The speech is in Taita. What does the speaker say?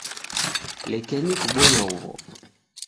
Lekenyi kubonya huw'o.